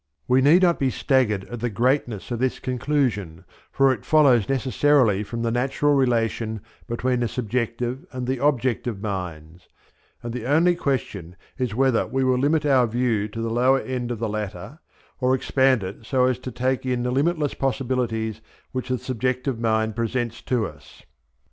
We need not be staggered at the greatness of this conclusion, for it follows necessarily from the natural relation between the subjective and the objective minds; and the only question is whether we will limit our view to the lower level of the latter, or expand it so as to take in the limitless possibilities which the subjective mind presents to us.